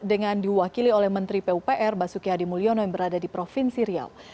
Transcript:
dengan diwakili oleh menteri pupr basuki hadi mulyono yang berada di provinsi riau